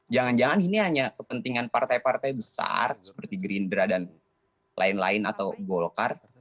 jangan jangan ini hanya kepentingan partai partai besar seperti gerindra dan lain lain atau golkar